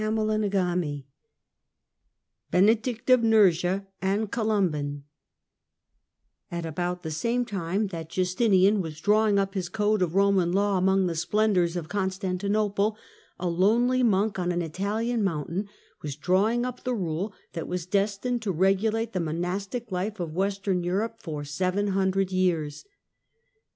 CHAPTEK VII BENEDICT OF NURSIA AND COLUMBAN A T about the same time that Justinian was drawing up his Code of Roman Law among the splendours of Constantinople, a lonely monk on an Italian mountain was drawing up the rule that was destined to regulate the monastic life of Western Europe for seven hundred years.